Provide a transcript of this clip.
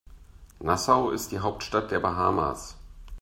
Nassau ist die Hauptstadt der Bahamas.